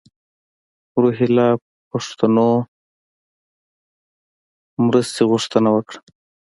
روهیله پښتنو مرستې غوښتنه وکړه.